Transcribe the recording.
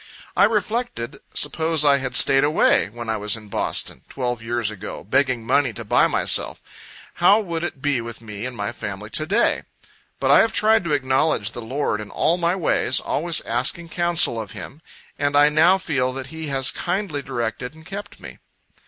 I reflected, suppose I had stayed away, when I was in Boston, twelve years ago, begging money to buy myself how would it be with me and my family to day? But I have tried to acknowledge the Lord in all my ways, always asking counsel of Him, and I now feel that He has kindly directed and kept me.